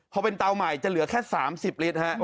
พอเป็นเถาใหม่จะเหลือถึง๓๐ลิตร